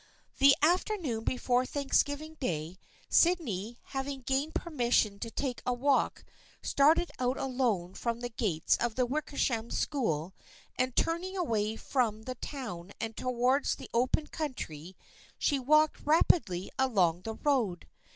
The afternoon before Thanksgiving Day, Sydney, having gained permission to take a walk, started out alone from the gates of the Wickersham School and turning away from the town and towards the open country, she walked rapidly along the road.